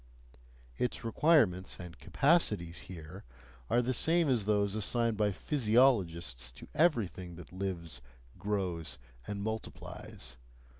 Its requirements and capacities here, are the same as those assigned by physiologists to everything that lives, grows, and multiplies.